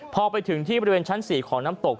พอไปถึงที่บริเวณชั้น๔ของน้ำตก